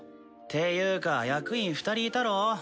ていうか役員２人いたろう？